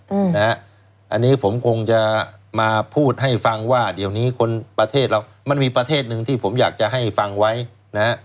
อืมนะฮะอันนี้ผมคงจะมาพูดให้ฟังว่าเดี๋ยวนี้คนประเทศเรามันมีประเทศหนึ่งที่ผมอยากจะให้ฟังไว้นะฮะ